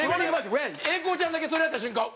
英孝ちゃんだけそれやった瞬間